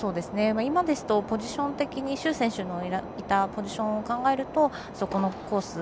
今ですとポジション的に朱選手のいたポジションを考えるとそこのコース